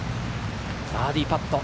バーディーパット。